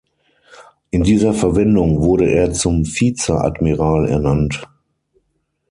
In dieser Verwendung wurde er zum Vizeadmiral ernannt.